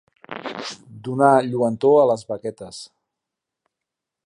Donar lluentor a les baquetes.